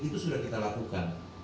itu sudah kita lakukan